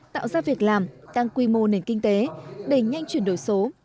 tạo ra việc làm tăng quy mô nền kinh tế đẩy nhanh chuyển đổi số